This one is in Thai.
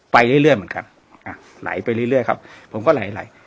ไปเรื่อยเรื่อยเหมือนกันอ่าไหลไปเรื่อยเรื่อยครับผมก็ไหลไหล